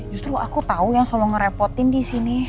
justru aku tau yang selalu ngerepotin disini